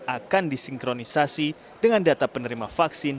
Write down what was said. akan disinkronisasi dengan data penerima vaksin